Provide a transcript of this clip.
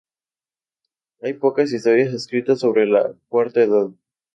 Hay pocas historias escritas sobre la Cuarta Edad.